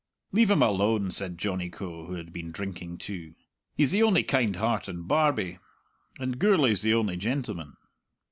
"Leave him alone!" said Johnny Coe, who had been drinking too. "He's the only kind heart in Barbie. And Gourlay's the only gentleman."